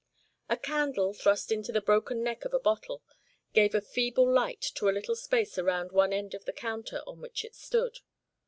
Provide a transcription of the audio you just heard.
A candle, thrust into the broken neck of a bottle, gave a feeble light to a little space around one end of the counter on which it stood.